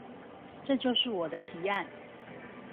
這就是我的提案